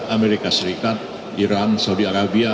amerika serikat iran saudi arabia